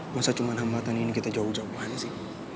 masa cuma hambatan ini kita jauh jauhan sih